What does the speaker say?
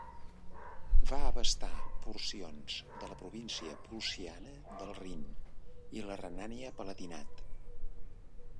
Va abastar porcions de la província prussiana del Rin i la Renània-Palatinat.